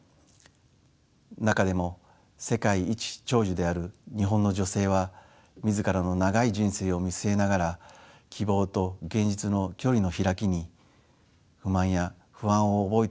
中でも世界一長寿である日本の女性は自らの長い人生を見据えながら希望と現実の距離の開きに不満や不安を覚えているのかもしれません。